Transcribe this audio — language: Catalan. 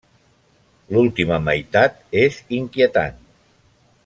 L'última meitat és inquietant.